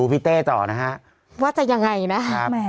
พี่ขับรถไปเจอแบบ